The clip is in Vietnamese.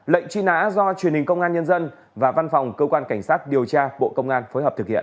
lệnh truy nã do truyền hình công an nhân dân và văn phòng cơ quan cảnh sát điều tra bộ công an phối hợp thực hiện